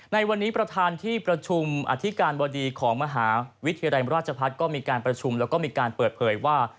ในวันนี้ประธานที่ประชุมอธิการบดีของมหาวิทยาลัยราชพัฒน์ก็มีการประชุมแล้วก็มีการเปิดเผยว่า